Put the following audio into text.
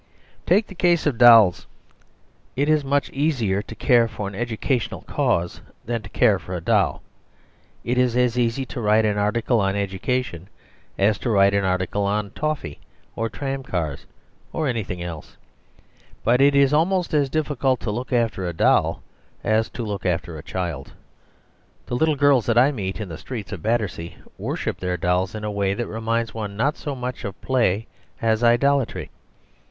Take the case of dolls. It is much easier to care for an educational cause than to care for a doll. It is as easy to write an article on education as to write an article on toffee or tramcars or anything else. But it is almost as difficult to look after a doll as to look after a child. The little girls that I meet in the little streets of Battersea worship their dolls in a way that reminds one not so much of play as idolatry.